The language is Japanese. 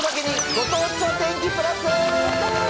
ご当地お天気プラス。